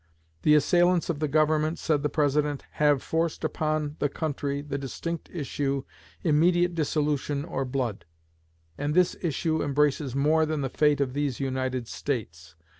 The assailants of the Government, said the President, "have forced upon the country the distinct issue, 'immediate dissolution or blood.' And this issue embraces more than the fate of these United States.